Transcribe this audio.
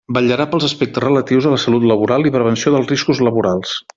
Vetllarà pels aspectes relatius a la salut laboral i prevenció dels riscos laborals.